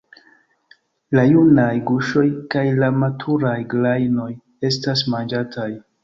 La junaj guŝoj kaj la maturaj grajnoj estas manĝataj.